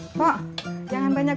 kok jangan banyak banyak kok